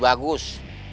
itu lebih bagus